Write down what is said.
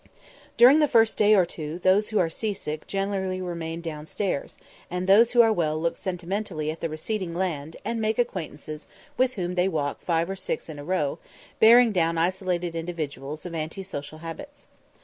During the first day or two those who are sea sick generally remain downstairs, and those who are well look sentimentally at the receding land, and make acquaintances with whom they walk five or six in a row, bearing down isolated individuals of anti social habits.